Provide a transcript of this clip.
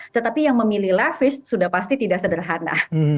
tetapi yang memilih lavish sudah pasti tidak sederhana